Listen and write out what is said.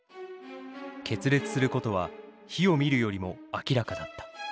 決裂することは火を見るよりも明らかだった。